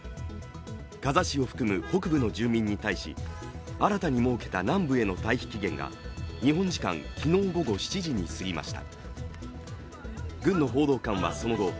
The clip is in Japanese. ガザ市を含む北部の住民に対し、新たに設けた南部への退避期限が日本時間昨日午後７時に過ぎました。